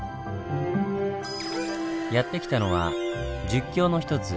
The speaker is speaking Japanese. やって来たのは十境の一つ